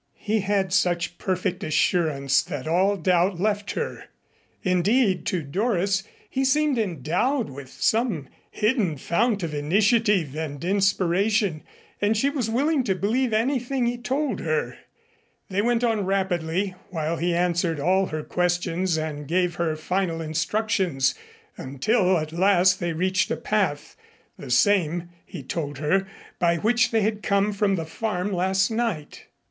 He had such perfect assurance that all doubt left her. Indeed, to Doris, he seemed endowed with some hidden fount of initiative and inspiration, and she was willing to believe anything he told her. They went on rapidly, while he answered all her questions and gave her final instructions, until at last they reached a path, the same, he told her, by which they had come from the farm last night.